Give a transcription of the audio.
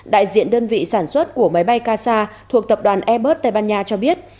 đại diện đơn vị sản xuất của máy bay kasa thuộc tập đoàn airbus tây ban nha cho biết